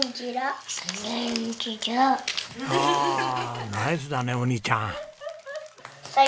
おおナイスだねお兄ちゃん。